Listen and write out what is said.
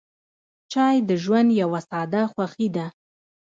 چای د ژوند یوه ساده خوښي ده.